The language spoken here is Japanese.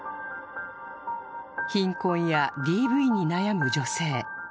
貧困やＤＶに悩む女性。